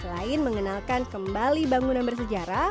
selain mengenalkan kembali bangunan bersejarah